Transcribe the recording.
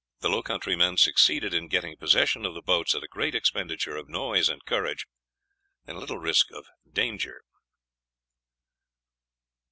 * The low country men succeeded in getting possession of the boats at a great expenditure of noise and courage, and little risk of danger.